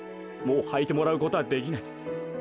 もうはいてもらうことはできない。